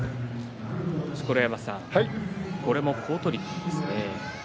錣山さん、これも好取組ですね。